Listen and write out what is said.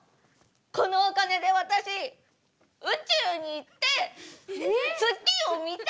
このお金で私宇宙に行って月を見たいの！